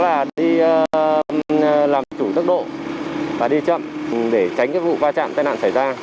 rất chú ý đó là đi làm chủ tốc độ và đi chậm để tránh vụ va chạm tên nạn xảy ra